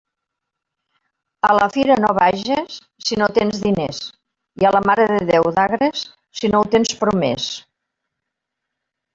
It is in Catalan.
A la fira no vages si no tens diners, i a la Mare de Déu d'Agres si no ho tens promés.